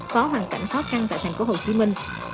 có hoàn cảnh khó khăn tại thành phố hồ chí minh